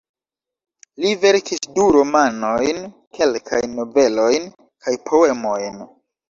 Li verkis du romanojn, kelkajn novelojn kaj poemojn.